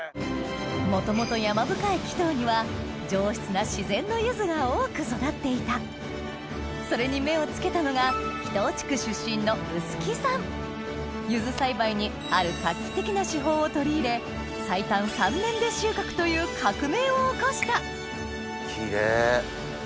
元々山深い木頭には上質な自然のゆずが多く育っていたそれに目を付けたのが木頭地区出身のゆず栽培にある画期的な手法を取り入れ最短３年で収穫という革命を起こしたキレイ！